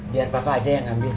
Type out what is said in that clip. biar bapak aja yang ambil